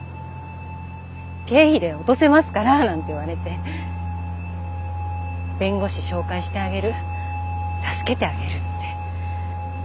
「経費で落とせますから」なんて言われて弁護士紹介してあげる助けてあげるって。